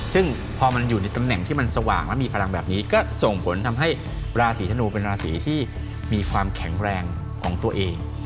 ซึ่งพอมันอยู่ในตำแหน่งที่มันสว่างและมีพลังแบบนี้ก็ส่งผลทำให้ราศีธนูเป็นราศีที่มีความแข็งแรงของตัวเอง